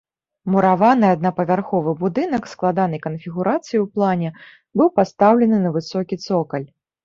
Мураваны аднапавярховы будынак складанай канфігурацыі ў плане, быў пастаўлены на высокі цокаль.